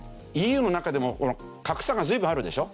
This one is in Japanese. ＥＵの中でも格差が随分あるでしょ。